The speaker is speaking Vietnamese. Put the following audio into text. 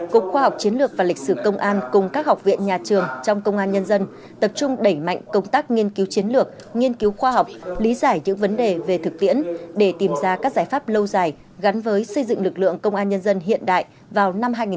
cục khoa học chiến lược và lịch sử công an cùng các học viện nhà trường trong công an nhân dân tập trung đẩy mạnh công tác nghiên cứu chiến lược nghiên cứu khoa học lý giải những vấn đề về thực tiễn để tìm ra các giải pháp lâu dài gắn với xây dựng lực lượng công an nhân dân hiện đại vào năm hai nghìn hai mươi